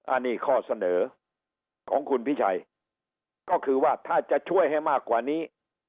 อันนี้ข้อเสนอของคุณพิชัยก็คือว่าถ้าจะช่วยให้มากกว่านี้